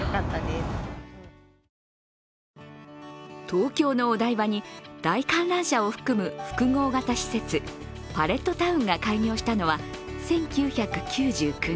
東京のお台場に大観覧車を含む複合型施設、パレットタウンが開業したのは１９９９年。